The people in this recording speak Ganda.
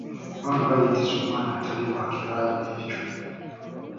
Kubanga aba yeetisse omwana atali wa kika ekyo.